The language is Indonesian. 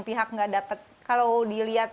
pihak nggak dapat kalau dilihat